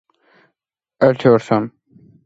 მათი ქორწინება იმავე წელს შედგა, თუმცა თარიღი უცნობია.